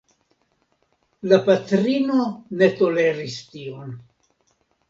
La patrino ne toleris tion.